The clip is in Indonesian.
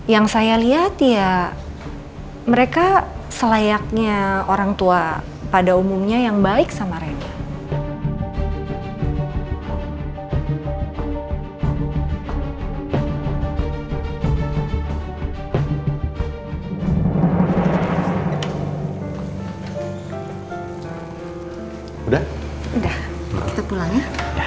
yang saya lihat ya mereka selayaknya orang tua pada umumnya yang baik sama rena